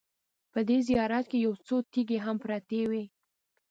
په دې زیارت کې یو څو تیږې هم پرتې وې.